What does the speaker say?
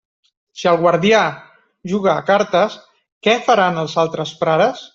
Si el guardià juga a cartes, què faran els altres frares?